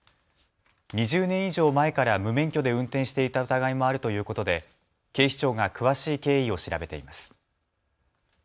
２０年以上前から無免許で運転していた疑いもあるということで警視庁が詳しい経緯を調べています。